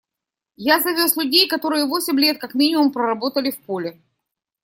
Я завез людей, которые восемь лет как минимум проработали в поле.